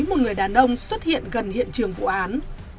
một người đàn ông xuất hiện gần hiện trường vụ án